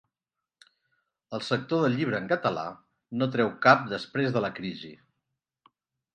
El sector del llibre en català no treu cap després de la crisi